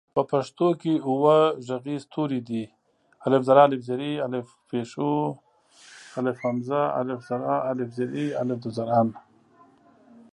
په پښتو کې اووه غږيز توري دي: اَ، اِ، اُ، اٗ، اٰ، اٖ، أ.